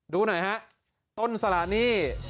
ดูหน่อยฮะต้นสละนี่